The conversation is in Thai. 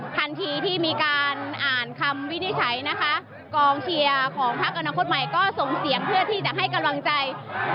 ทันทีที่มีการอ่านคำวินิจฉัยนะคะกองเชียร์ของพักอนาคตใหม่ก็ส่งเสียงเพื่อที่จะให้กำลังใจ